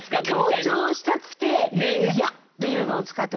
強調したくて「や」っていうのを使ってみたんで。